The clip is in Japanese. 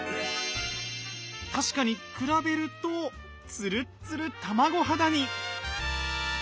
確かに比べるとツルッツル卵肌に！